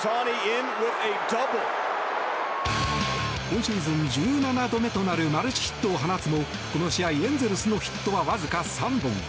今シーズン１７度目となるマルチヒットを放つもこの試合、エンゼルスのヒットはわずか３本。